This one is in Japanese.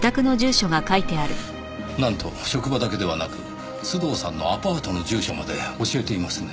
なんと職場だけではなく須藤さんのアパートの住所まで教えていますねぇ。